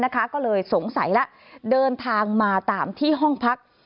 ก็เลยสงสัยแล้วเดินทางมาตามที่ห้องพัก